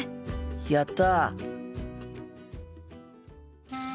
やった！